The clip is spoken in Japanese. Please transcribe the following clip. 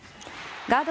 ガード